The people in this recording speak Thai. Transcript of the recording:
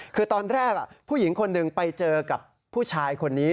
คือตอนแรกผู้หญิงคนหนึ่งไปเจอกับผู้ชายคนนี้